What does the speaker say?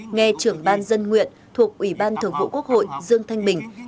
nghe trưởng ban dân nguyện thuộc ủy ban thường vụ quốc hội dương thanh bình